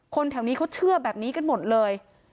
แถวนี้เขาเชื่อแบบนี้กันหมดเลย